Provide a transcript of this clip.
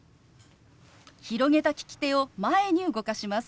広げた利き手を前に動かします。